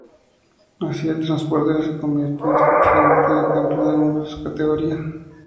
Así, el Transporter se convierte indiscutiblemente en el campeón del mundo de su categoría.